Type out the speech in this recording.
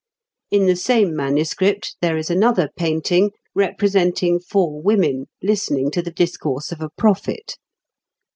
In the same manuscript there is another painting, representing four women listening to the discourse of a prophet.